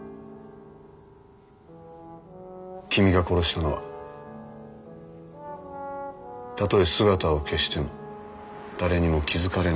君が殺したのはたとえ姿を消しても誰にも気づかれない存在